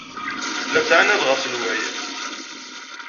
La ttɛanadeɣ aselway.